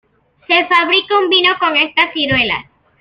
Se fabrica un vino con estas ciruelas.